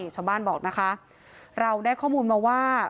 ชาวบ้านบอกนะคะเราได้ข้อมูลมาว่า